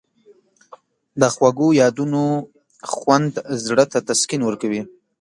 د خوږو یادونو خوند زړه ته تسکین ورکوي.